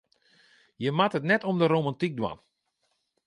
Je moatte it net om de romantyk dwaan.